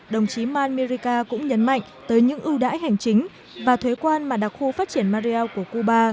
đồng chí manmerica cũng nhấn mạnh tới những ưu đãi hành chính và thuế quan mà đặc khu phát triển mariel của cuba